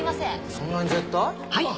そんなに絶対？